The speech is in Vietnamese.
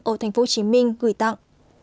ở thành phố hồ chí minh gửi tặng